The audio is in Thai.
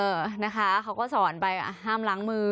เออนะคะเขาก็สอนไปห้ามล้างมือ